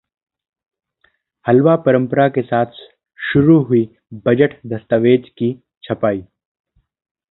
‘हलवा’ परंपरा के साथ शुरू हुई बजट दस्तावेज की छपाई